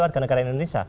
warga negara indonesia